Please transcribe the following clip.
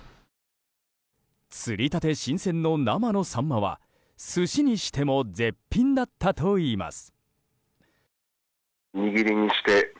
釣りたて新鮮の生のサンマは寿司にしても絶品だったといいます。